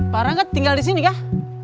para enggak tinggal di sini kah